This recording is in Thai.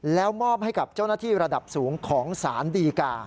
แล้วมอบให้กับเจ้าหน้าที่ระดับสูงของสารดีกา